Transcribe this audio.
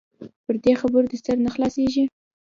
پر دې خبرو دې سر نه خلاصيږي.